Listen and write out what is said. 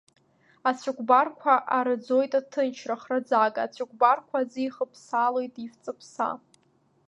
Ацәыкәбарқәа араӡоит аҭынчра храӡага, ацәыкәбарқәа аӡы ихыԥсалоит еивҵаԥса.